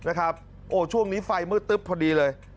โอ้ช่วงนี้ไฟมืดตึ๊บพอดีเลย